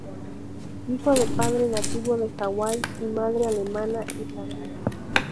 Hijo de padre nativo de Hawái y madre alemana-irlandesa.